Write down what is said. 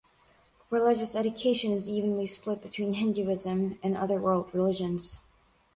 Religious education is evenly split between Hinduism and other world religions.